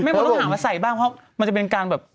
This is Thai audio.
คนต้องหามาใส่บ้างเพราะมันจะเป็นการแบบ